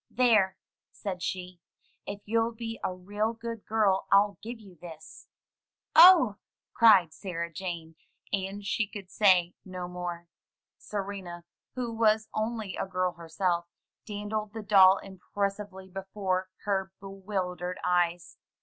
"There," said she, "if you'll be a real good girl I'll give you this." "Oh," cried Sarah Jane, and she could say no more. Serena, who was only a girl herself, dandled the doll impres sively before her bewildered eyes.